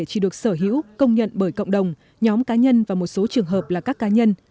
chỉ được sở hữu công nhận bởi cộng đồng nhóm cá nhân và một số trường hợp là các cá nhân